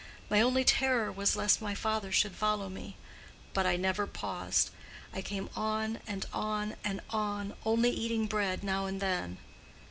My only terror was lest my father should follow me. But I never paused. I came on, and on, and on, only eating bread now and then.